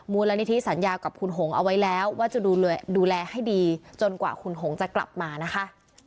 มูลนิธิสัญญากับคุณหงเอาไว้แล้วว่าจะดูแลให้ดีจนกว่าคุณหงจะกลับมานะคะ